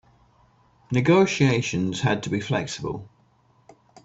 Negotiations had to be flexible.